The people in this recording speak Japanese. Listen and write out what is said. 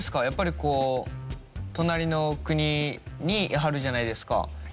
やっぱりこう隣の国にいはるじゃないですか。